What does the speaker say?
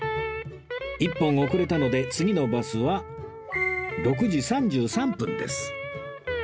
１本遅れたので次のバスは６時３３分です